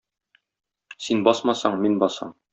Син басмасаң, мин басам.